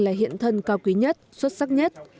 là hiện thân cao quý nhất xuất sắc nhất